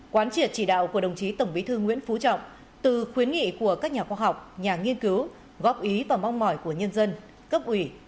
quán triệt chỉ đạo của đồng chí tổng bí thư nguyễn phú trọng từ khuyến nghị của các nhà khoa học nhà nghiên cứu góp ý và mong mỏi của nhân dân cấp ủy